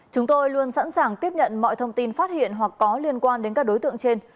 chúng tôi luôn sẵn sàng tiếp nhận mọi thông tin phát hiện hoặc có liên quan đến các đối tượng trên